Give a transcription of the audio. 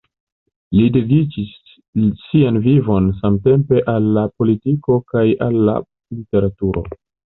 Li dediĉis sian vivon samtempe al la politiko kaj al la literaturo.